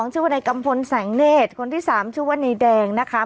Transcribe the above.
ชื่อว่าในกัมพลแสงเนธคนที่สามชื่อว่านายแดงนะคะ